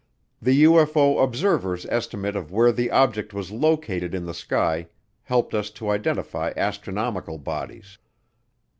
The UFO observer's estimate of where the object was located in the sky helped us to identify astronomical bodies.